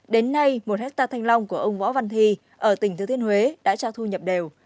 đến nay một hectare thanh long của ông võ văn thi ở tỉnh thứ thiên huế đã cho thu nhập đều